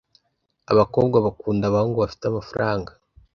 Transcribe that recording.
Abakobwa bakunda abahungu bafite amafaranga